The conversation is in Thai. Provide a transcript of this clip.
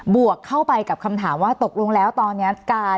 วกเข้าไปกับคำถามว่าตกลงแล้วตอนนี้การ